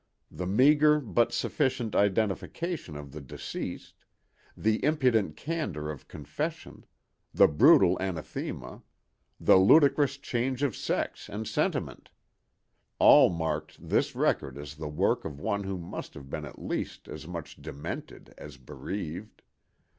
The meagre but sufficient identification of the deceased; the impudent candor of confession; the brutal anathema; the ludicrous change of sex and sentiment—all marked this record as the work of one who must have been at least as much demented as bereaved.